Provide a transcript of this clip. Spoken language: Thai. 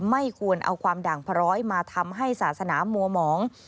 ไม่ควรเอาความด่างพร้อยมาทำให้ศาสนามัวหมอง